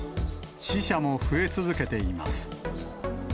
死者も増え続けています。